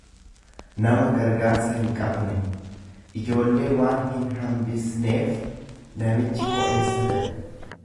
nama gargaarsa hinqabne; Ijoollee waan hinhambisneef namichi ko'eessa ta'e.